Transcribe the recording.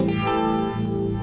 nanti bisa ikut ketemu